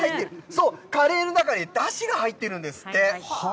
そう、カレーの中に、だしが入ってるんですって。